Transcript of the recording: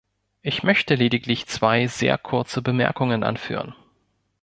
Ich möchte lediglich zwei sehr kurze Bemerkungen anführen.